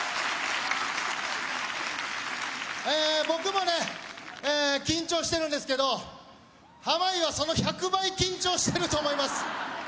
僕もね緊張してるんですけど濱家はその１００倍緊張してると思います。